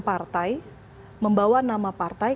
partai membawa nama partai